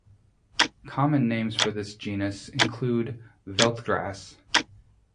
Common names for this genus include veldtgrass.